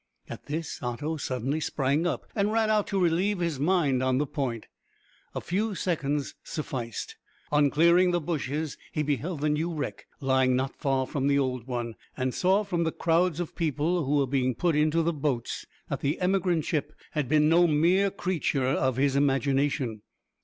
At this Otto suddenly sprang up, and ran out to relieve his mind on the point. A few seconds sufficed. On clearing the bushes he beheld the new wreck lying not far from the old one, and saw from the crowds of people who were being put into the boats that the emigrant ship had been no mere creature of his imagination.